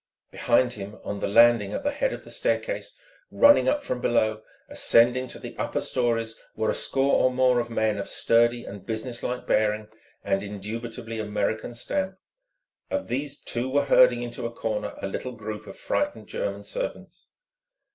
Behind him, on the landing at the head of the staircase, running up from below, ascending to the upper storeys, were a score' or more of men of sturdy and business like bearing and indubitably American stamp. Of these two were herding into a corner a little group of frightened German servants.